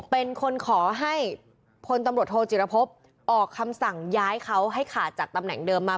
เป็นคนขอให้พลตำรวจโทจิรพบออกคำสั่งย้ายเขาให้ขาดจากตำแหน่งเดิมมา